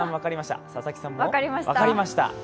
分かりました。